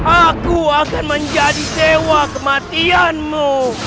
aku akan menjadi sewa kematianmu